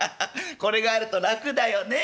これがあると楽だよね。